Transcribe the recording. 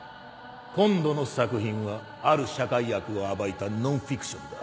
今度の作品はある社会悪を暴いたノンフィクションだ。